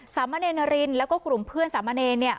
สามะเนรินแล้วก็กลุ่มเพื่อนสามะเนรเนี่ย